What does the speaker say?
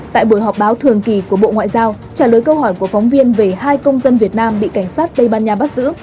tại buổi họp báo thường kỳ của bộ ngoại giao trả lời câu hỏi của phóng viên về hai công dân việt nam bị cảnh sát tây ban nha bắt giữ